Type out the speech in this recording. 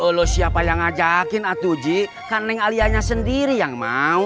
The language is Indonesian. udah ga ada yang ngajakin kan neng alianya sendiri yang mau